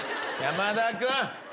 山田君！